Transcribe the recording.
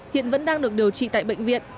hiện vẫn đang được điều trị tại bệnh viện